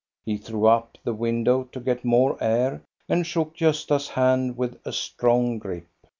He threw up the window to get more air, and shook Gosta's hand with a strong grip.